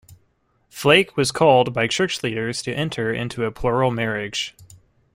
Flake was called by Church leaders to enter into a plural marriage.